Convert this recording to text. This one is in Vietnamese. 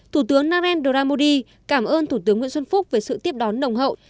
thủ tướng narendra modi cảm ơn thủ tướng nguyễn xuân phúc về sự tiếp đón nồng hậu